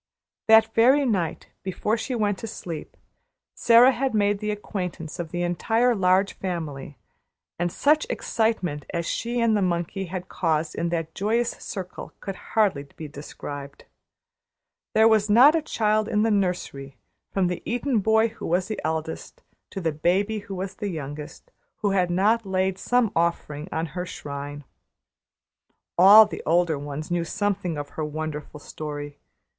That very night, before she went to sleep, Sara had made the acquaintance of the entire Large Family, and such excitement as she and the monkey had caused in that joyous circle could hardly be described. There was not a child in the nursery, from the Eton boy who was the eldest, to the baby who was the youngest, who had not laid some offering on her shrine. All the older ones knew something of her wonderful story.